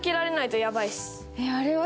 あれは？